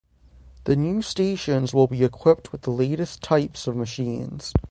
The new stations will be equipped with the latest types of machines.